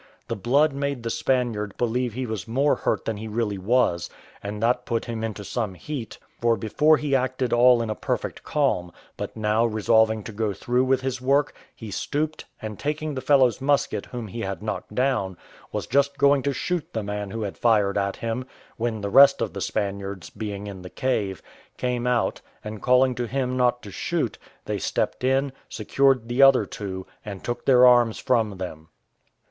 The blood made the Spaniard believe he was more hurt than he really was, and that put him into some heat, for before he acted all in a perfect calm; but now resolving to go through with his work, he stooped, and taking the fellow's musket whom he had knocked down, was just going to shoot the man who had fired at him, when the rest of the Spaniards, being in the cave, came out, and calling to him not to shoot, they stepped in, secured the other two, and took their arms from them.